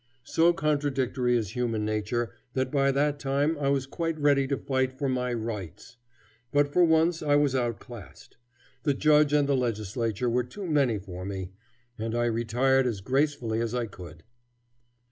So contradictory is human nature that by that time I was quite ready to fight for my "rights." But for once I was outclassed. The judge and the Legislature were too many for me, and I retired as gracefully as I could.